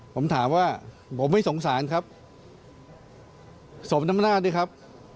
ผมถามว่าผมไม่สงสารครับสมน้ำนาจด้วยครับ